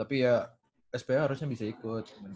tapi ya spo harusnya bisa ikut